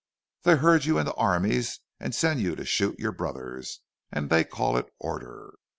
They herd you into armies and send you to shoot your brothers—and they call it order!